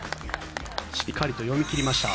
しっかりと読み切りました。